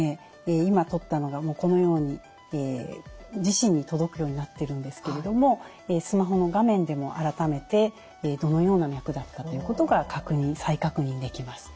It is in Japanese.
今とったのがこのように自身に届くようになっているんですけれどもスマホの画面でも改めてどのような脈だったっていうことが再確認できます。